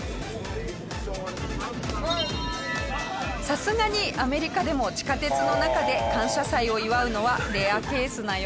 さすがにアメリカでも地下鉄の中で感謝祭を祝うのはレアケースなようです。